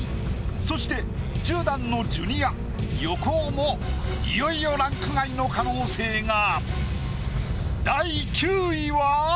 そして１０段のジュニア横尾もいよいよランク外の可能性が。